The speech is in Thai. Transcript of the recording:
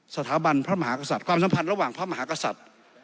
สถาบันพระมหากษัตริย์ความสัมพันธ์ระหว่างพระมหากษัตริย์